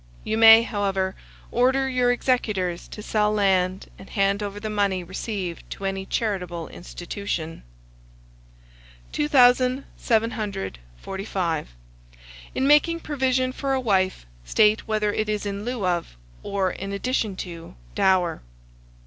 You may, however, order your executors to sell land and hand over the money received to any charitable institution. 2745. In making provision for a wife, state whether it is in lieu of, or in addition to, dower.